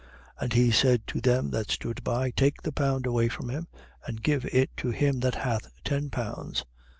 19:24. And he said to them that stood by: Take the pound away from him and give it to him that hath ten pounds.